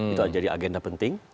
itu jadi agenda penting